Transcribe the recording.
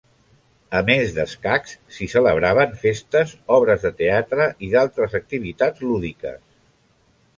A més d'escacs, s'hi celebraven festes, obres de teatre i d'altres activitats lúdiques.